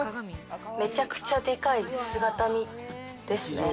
めちゃくちゃデカい姿見ですね